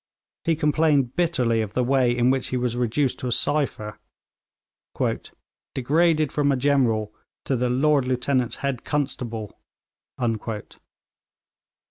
He complained bitterly of the way in which he was reduced to a cypher 'degraded from a general to the "Lord Lieutenant's head constable."'